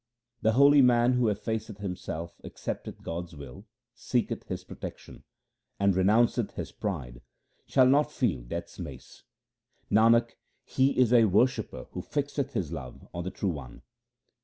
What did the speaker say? The holy man who effaceth himself, accepteth God's will, seeketh His protection, And renounce th his pride, shall not feel Death's mace. Nanak, he is a worshipper who fixeth his love on the True One.